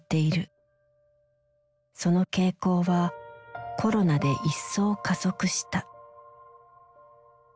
その傾向はコロナでいっそう加速した。